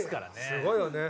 すごいよね。